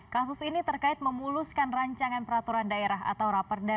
kasus ini terkait memuluskan rancangan peraturan daerah atau raperda